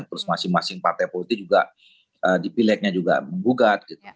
terus masing masing partai politik juga dipilihnya juga menggugat gitu